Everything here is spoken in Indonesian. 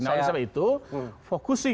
nah oleh sebab itu fokusi